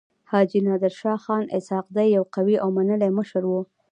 حاجي نادر شاه خان اسحق زی يو قوي او منلی مشر وو.